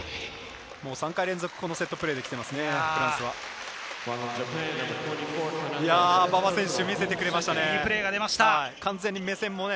もう３回連続でこのセットプレーできていますね。